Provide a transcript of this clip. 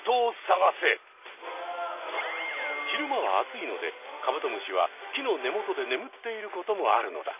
昼間はあついのでカブトムシは木の根元で眠っていることもあるのだ。